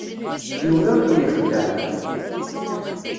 Yiwen ur ken-ixeddeε da.